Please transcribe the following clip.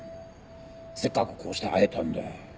せっかくこうして会えたんだ。